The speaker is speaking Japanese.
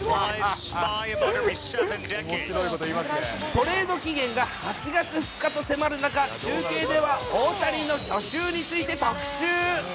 トレード期限が８月２日と迫る中、中継では大谷の去就について特集。